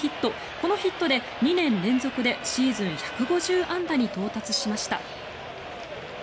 このヒットで２年連続でシーズン１５０安打に到達しました。